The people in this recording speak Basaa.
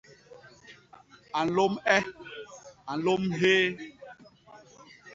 A nlôm e; a nlôm hyéé.